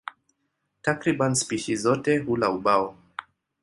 Takriban spishi zote hula ubao.